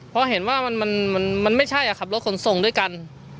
เพราะเห็นว่ามันไม่ใช่ขับรถขนส่งด้วยกัน